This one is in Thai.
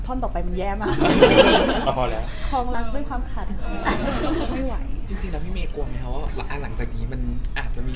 โต๊ะพี่เมียคุ้มแข็งแหงแต่เขาไม่ได้อยู่ตรงนี้อย่างไร